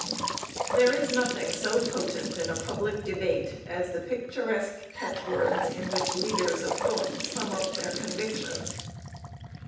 There is nothing so potent in a public debate as the picturesque catchwords in which leaders of thought sum up their convictions.